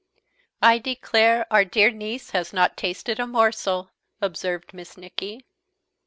"I declare our dear niece has not tasted a morsel," observed Miss Nicky.